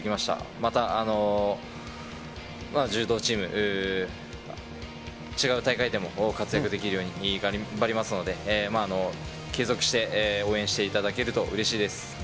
また、柔道チーム、違う大会でも活躍できるように頑張りますので、継続して応援していただけるとうれしいです。